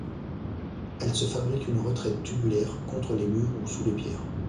Elles se fabriquent une retraite tubulaire, contre les murs ou sous les pierres.